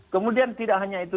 kemudian tidak hanya itu